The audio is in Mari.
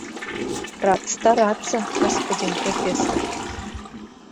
Рад стараться, господин профессор!